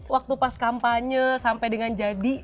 waktu pas kampanye sampai dengan jadi